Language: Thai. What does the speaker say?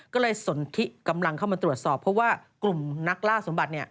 ก็เลยสนทิกำลังเข้ามาตรวจสอบเพราะว่ากลุ่มนักล่าสมบัติ